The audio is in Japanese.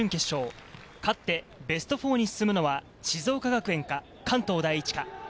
勝ってベスト４に進むのは静岡学園か関東第一か。